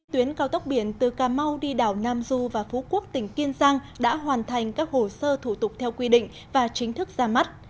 tuyến cao tốc biển từ cà mau đi đảo nam du và phú quốc tỉnh kiên giang đã hoàn thành các hồ sơ thủ tục theo quy định và chính thức ra mắt